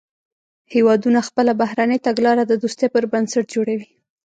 هیوادونه خپله بهرنۍ تګلاره د دوستۍ پر بنسټ جوړوي